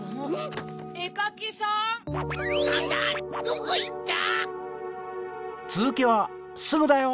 どこいった？